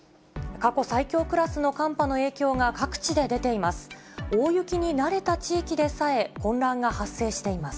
過去最強クラスの寒波の影響が各地で出ています。